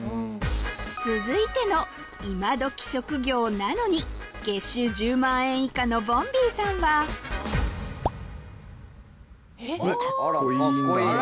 続いてのイマドキ職業なのに月収１０万円以下のボンビーさんはかっこいいんだな。